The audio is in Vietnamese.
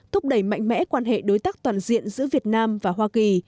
thúc đẩy mạnh mẽ quan hệ đối tác toàn diện giữa việt nam và hoa kỳ